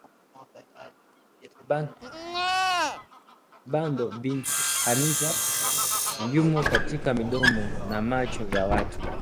bado binti Khamisi yumo katika midomo na macho ya watu